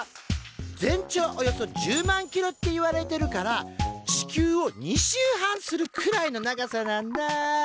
全長およそ１０万ｋｍっていわれてるから地球を２周半するくらいの長さなんだ。